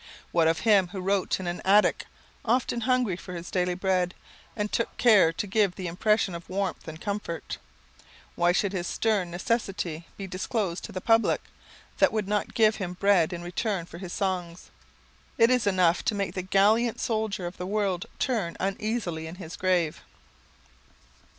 What of him who wrote in an attic, often hungry for his daily bread, and took care to give the impression of warmth and comfort! Why should his stern necessity be disclosed to the public that would not give him bread in return for his songs? It is enough to make the gallant soldier of the world turn uneasily in his grave.